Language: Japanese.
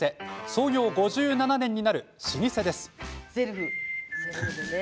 創業５７年になる老舗です。